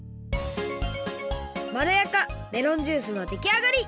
まろやかメロンジュースのできあがり！